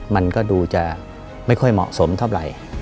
มันก็ดูจะไม่ค่อยเหมาะสมเท่าไหร่